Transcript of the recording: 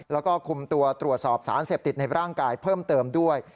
แล้วก็คุมตัวตรวจสอบสารเสพติดในร่างกายเพิ่มเติมด้วย